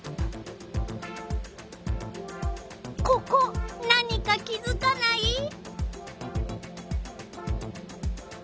ここ何か気づかない？